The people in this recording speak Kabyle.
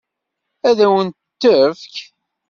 Ad wen-t-tefk?